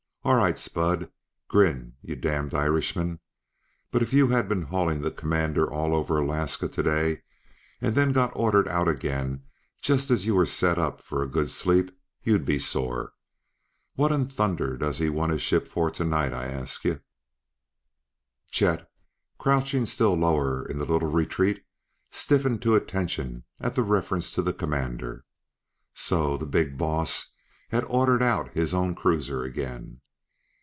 All right, Spud; grin, you damned Irishman! But if you had been hauling the Commander all over Alaska to day and then got ordered out again just as you were set for a good sleep, you'd be sore. What in thunder does he want his ship for to night, I ask you?" Chet, crouching still lower in the little retreat, stiffened to attention at the reference to the Commander. So the "big boss" had ordered out his own cruiser again!